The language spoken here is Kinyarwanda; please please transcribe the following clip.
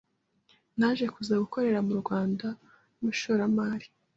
naje kuza gukorera mu Rwanda nk’umushoramari